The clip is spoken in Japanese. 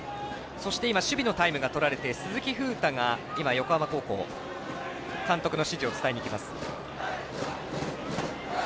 そして今守備のタイムがとられて鈴木楓汰が横浜高校監督の指示を伝えにきます。